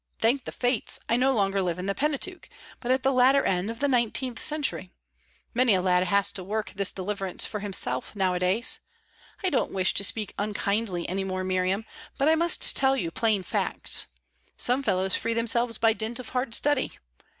Thank the fates, I no longer live in the Pentateuch, but at the latter end of the nineteenth century. Many a lad has to work this deliverance for himself nowadays. I don't wish to speak unkindly any more, Miriam, but I must tell you plain facts. Some fellows free themselves by dint of hard study.